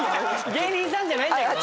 芸人さんじゃないんだけどな。